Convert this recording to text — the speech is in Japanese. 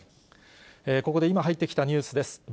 ここで今入ってきたニュースです。